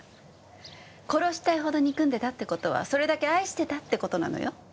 殺したいほど憎んでたって事はそれだけ愛してたって事なのよ。